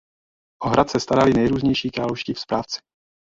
O hrad se starali nejrůznější královští správci.